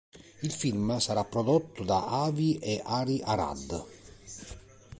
Il film sarà prodotto da Avi e Ari Arad.